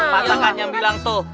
patah kan yang bilang tuh